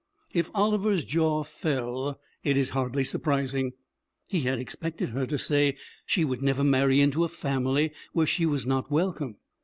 If Oliver's jaw fell, it is hardly surprising. He had expected her to say she would never many into a family where she was not welcome.